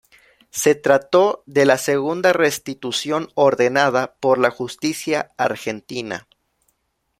Se trató de la segunda restitución ordenada por la justicia argentina.